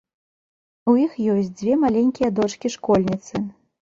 У іх ёсць дзве маленькія дочкі-школьніцы.